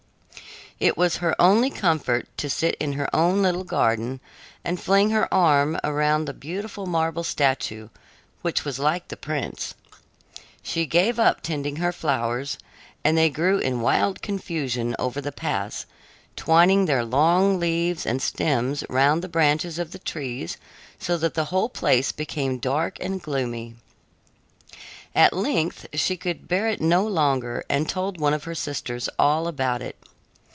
It was her only comfort to sit in her own little garden and fling her arm around the beautiful marble statue, which was like the prince. She gave up tending her flowers, and they grew in wild confusion over the paths, twining their long leaves and stems round the branches of the trees so that the whole place became dark and gloomy. At length she could bear it no longer and told one of her sisters all about it.